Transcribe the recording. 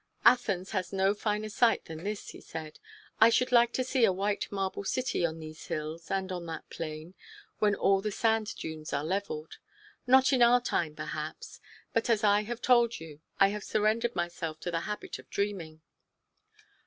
"Athens has no finer site than this," he said. "I should like to see a white marble city on these hills, and on that plain, when all the sand dunes are leveled. Not in our time, perhaps! But, as I told you, I have surrendered myself to the habit of dreaming."